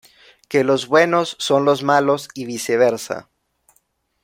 Que los "buenos" son los "malos" y viceversa.